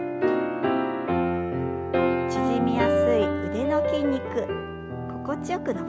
縮みやすい腕の筋肉心地よく伸ばしていきましょう。